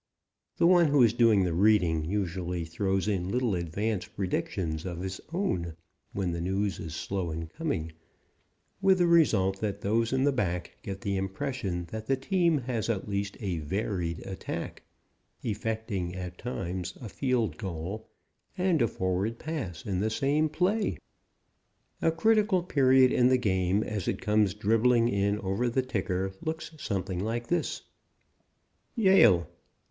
The one who is doing the reading usually throws in little advance predictions of his own when the news is slow in coming, with the result that those in the back get the impression that the team has at least a "varied attack," effecting at times a field goal and a forward pass in the same play. A critical period in the game, as it comes dribbling in over the ticker, looks something like this: YALE.